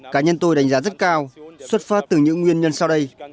cá nhân tôi đánh giá rất cao xuất phát từ những nguyên nhân sau đây